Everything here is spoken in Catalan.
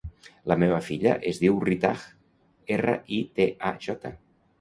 La meva filla es diu Ritaj: erra, i, te, a, jota.